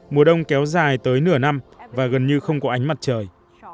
mùa đông kéo dài tới nửa năm và gần như không có ánh mặt trời